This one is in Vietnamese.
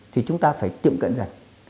thì chúng ta phải tiệm cận dành